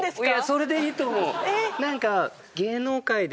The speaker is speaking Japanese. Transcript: それでいいと思う。